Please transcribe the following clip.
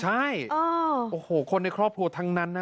ใช่โอ้โหคนในครอบครัวทั้งนั้นนะ